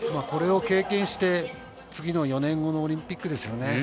これを経験して次の４年後のオリンピックですよね。